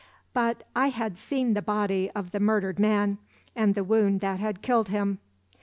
But; I had seen the body of the murdered man and the wound that had killed him.